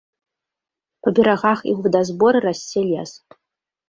Па берагах і ў вадазборы расце лес.